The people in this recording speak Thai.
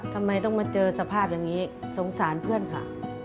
ทำไมต้องมาเจอสภาพอย่างนี้สงสารเพื่อนค่ะ